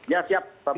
ya siap pak pak